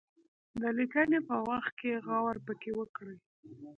د لیکني په وخت کې غور پکې وکړي.